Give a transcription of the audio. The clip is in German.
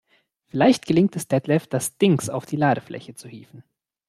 Vielleicht gelingt es Detlef, das Dings auf die Ladefläche zu hieven.